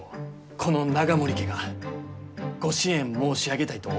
この永守家がご支援申し上げたいと思っています。